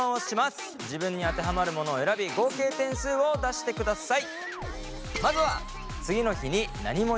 自分に当てはまるものを選び合計点数を出してください！